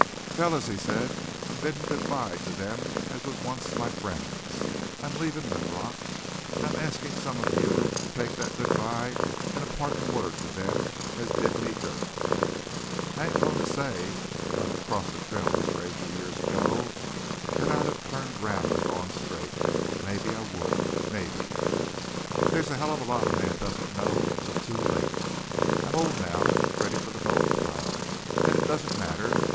"Fellers," he said, "I'm biddin' good by to them as was once my friends. I'm leavin' Linrock. An' I'm askin' some of you to take thet good by an' a partin' word to them as did me dirt. "I ain't a goin' to say if I'd crossed the trail of this Ranger years ago thet I'd of turned round an' gone straight. But mebbe I would mebbe. There's a hell of a lot a man doesn't know till too late. I'm old now, ready fer the bone pile, an' it doesn't matter.